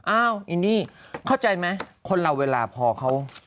อ้าวอินนี่เข้าใจไหมคนเราเวลาพอเขา